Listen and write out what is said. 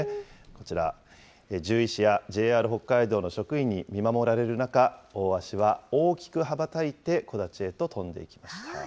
こちら、獣医師やＪＲ北海道の職員に見守られる中、オオワシは大きく羽ばたいて、木立へと飛んでいきました。